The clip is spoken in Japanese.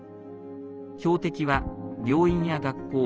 標的は、病院や学校